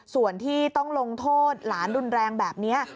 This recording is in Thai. ส่วนที่ต้องลงโทษหลานรุนแรงแบบนี้